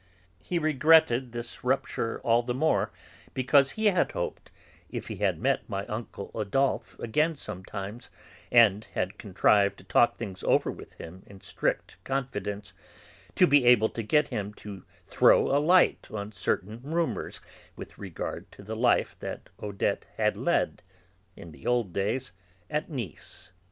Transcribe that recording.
He regretted this rupture all the more because he had hoped, if he had met my uncle Adolphe again sometimes and had contrived to talk things over with him in strict confidence, to be able to get him to throw a light on certain rumours with regard to the life that Odette had led, in the old days, at Nice.